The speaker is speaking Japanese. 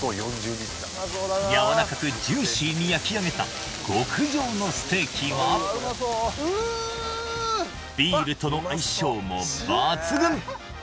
やわらかくジューシーに焼き上げた極上のステーキはビールとの相性も抜群！